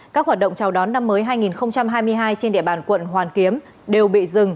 các hoạt động chào đón năm mới hai nghìn hai mươi hai trên địa bàn quận hoàn kiếm đều bị dừng